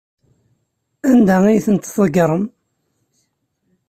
Anda ay tent-tḍeggrem?